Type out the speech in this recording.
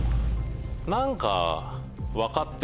何か。